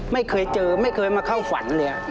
ไม่เคยเจอไม่เคยมาเข้าฝันเลย